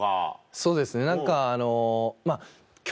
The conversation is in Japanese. そうですね何か共演。